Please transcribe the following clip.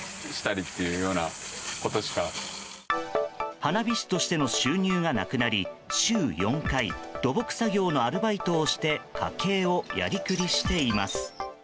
花火師としての収入がなくなり週４回土木作業のアルバイトをして家計をやりくりしています。